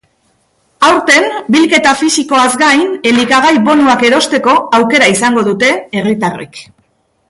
Aurten bilketa fisikoaz gain, elikagai bonuak erosteko aukera izango dute herritarrek.